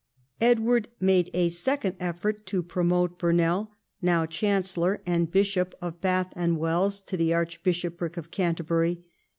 Edward made a second effort to promote Burnell, now Chancellor and Bishop of Bath and Wells, to the archbishopric of Canterbury.